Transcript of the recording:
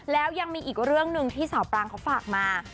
แล้วยังมีอีกเรื่องหนึ่งที่สาวปรางเขาฝากมา